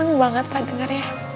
aku seneng banget pak dengarnya